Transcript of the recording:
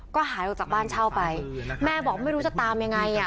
ก็หายออกจากบ้านเช่าไปแม่บอกไม่รู้จะตามยังไงอ่ะ